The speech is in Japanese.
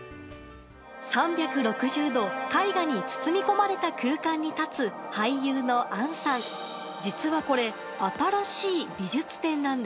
３６０度絵画に包み込まれた空間に立つ俳優の杏さん。